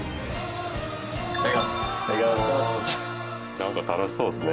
なんか楽しそうですね。